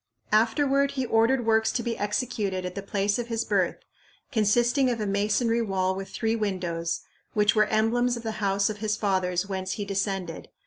"Afterward he ordered works to be executed at the place of his birth, consisting of a masonry wall with three windows, which were emblems of the house of his fathers whence he descended.